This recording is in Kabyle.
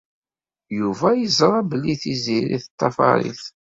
Yuba yeẓra belli Tiziri teṭṭafar-it.